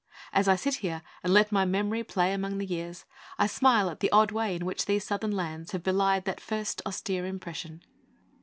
As I sit here, and let my memory play among the years, I smile at the odd way in which these southern lands have belied that first austere impression.